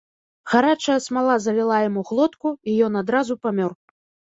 Гарачая смала заліла яму глотку, і ён адразу памёр.